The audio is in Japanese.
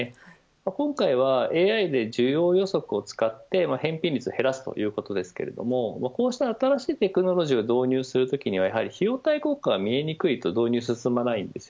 今回はＡＩで需要予測を使って返品率を減らすということですがこうした新しいテクノロジーを導入するときにはやはり費用対効果が見えにくいと導入が進まないです。